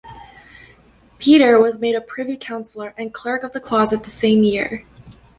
Petre was made a privy counsellor and Clerk of the Closet the same year.